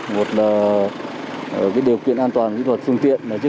một là điều kiện an toàn kỹ thuật phương tiện